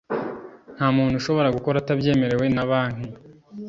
Nta muntu ushobora gukora atabyemerewe na Banki